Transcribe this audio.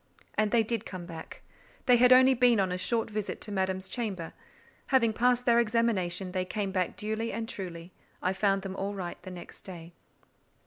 And they did come back: they had only been on a short visit to Madame's chamber; having passed their examination, they came back duly and truly: I found them all right the next day.